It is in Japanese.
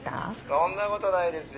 そんなことないですよ。